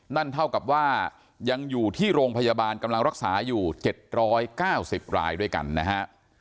นั่นเท่ากับว่ายังอยู่ที่โรงพยาบาลกำลังรักษาอยู่๗๙๐รายด้วยกันนะฮะ